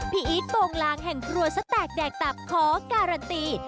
อีทโปรงลางแห่งครัวซะแตกแดกตับขอการันตี